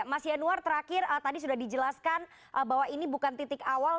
mas yanuar terakhir tadi sudah dijelaskan bahwa ini bukan titik awal